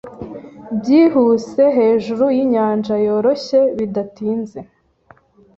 byihuse hejuru yinyanja yoroshye. Bidatinze,